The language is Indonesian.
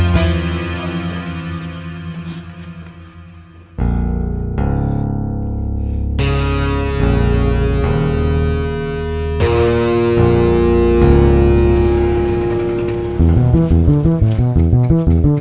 kamu harus pergi